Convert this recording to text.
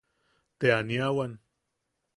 Te aniawan.